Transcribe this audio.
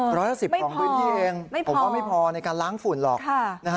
เพราะว่า๑๐ครองด้วยที่เองผมก็ไม่พอในการล้างฝุ่นหรอกนะฮะ